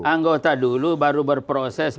anggota dulu baru berproses